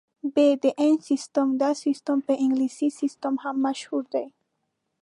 ب - د انچ سیسټم: دا سیسټم په انګلیسي سیسټم هم مشهور دی.